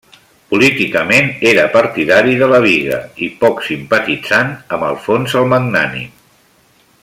Políticament era partidari de la Biga i poc simpatitzant amb Alfons el Magnànim.